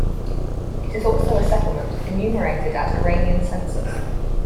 It is also a settlement, enumerated at Iranian census.